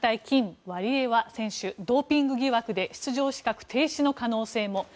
金ワリエワ選手、ドーピング疑惑で出場資格停止の可能性も。